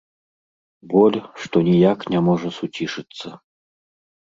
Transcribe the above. Боль, што ніяк не можа суцішыцца.